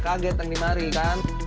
kaget yang dimari kan